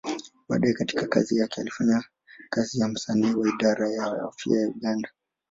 Baadaye katika kazi yake, alifanya kazi kama msanii wa Idara ya Afya ya Uganda.